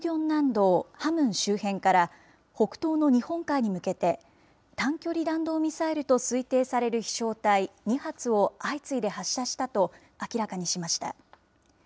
南道ハムン周辺から、北東の日本海に向けて、短距離弾道ミサイルと推定される飛しょう体２発を相次いで発射したと明らかにしました。